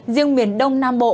riêng miền đông nam bộ